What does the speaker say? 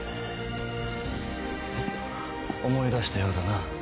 思い出したようだな。